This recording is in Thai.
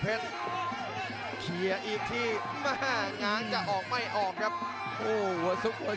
ประเภทมัยยังอย่างปักส่วนขวา